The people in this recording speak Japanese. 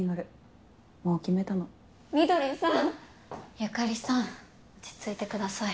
由香里さん落ち着いてください。